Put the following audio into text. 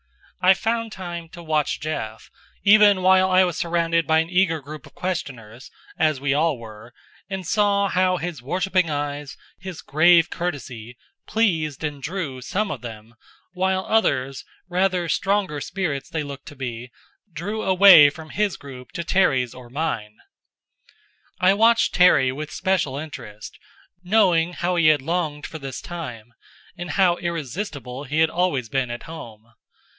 I found time to watch Jeff, even while I was surrounded by an eager group of questioners as we all were and saw how his worshipping eyes, his grave courtesy, pleased and drew some of them; while others, rather stronger spirits they looked to be, drew away from his group to Terry's or mine. I watched Terry with special interest, knowing how he had longed for this time, and how irresistible he had always been at home.